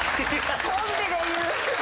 コンビで言う。